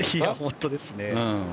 本当ですよね。